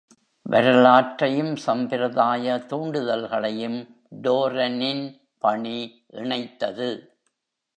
வரலாற்றையும் சம்பிரதாய தூண்டுதல்களையும் டோரனின் பணி இணைத்தது.